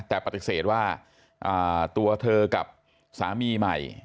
แต่ปฏิเสธว่าตัวเธอกับสามีใหม่